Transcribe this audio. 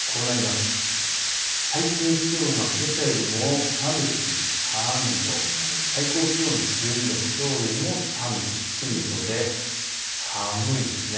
最低気温はけさよりも３度低い３度、最高気温１２度、きょうよりも３度低い予想で寒いです。